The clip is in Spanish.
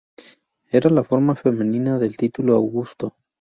Era la forma femenina del título Augusto.